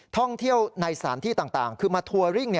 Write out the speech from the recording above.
ท่องเที่ยวในสถานที่ต่างคือมาทัวริ่ง